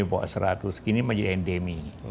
di bawah seratus kini menjadi endemi